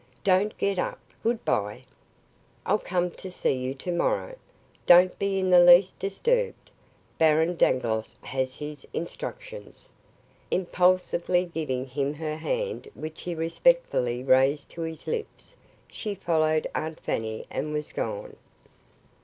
"Don't get up! Good bye. I'll come to see you to morrow. Don't be in the least disturbed. Baron Dangloss has his instructions." Impulsively giving him her hand which he respectfully raised to his lips, she followed Aunt Fanny and was gone.